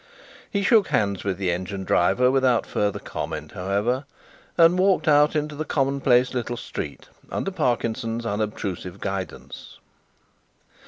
He shook hands with the engine driver without further comment, however, and walked out into the commonplace little street under Parkinson's unobtrusive guidance.